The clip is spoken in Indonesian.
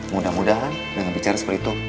mudah mudahan dengan bicara seperti itu